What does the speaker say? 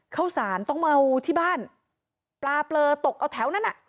ข้าวสารต้องเมาที่บ้านปลาเปลือตกเอาแถวนั้นอ่ะ